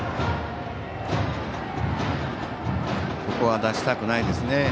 ここは出したくないですね。